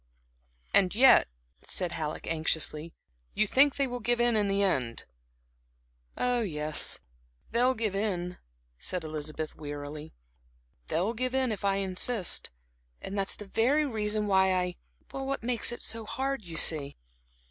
"And yet," said Halleck, anxiously, "you think they will give in in the end?" "Oh, yes, they'll give in," said Elizabeth, wearily. "They'll give in, if I insist; and that's the very reason why I what makes it so hard, you see."